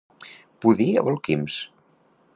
Pudir a bolquims.